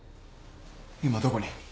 今どこに？